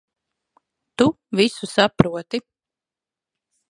Tu visu saproti.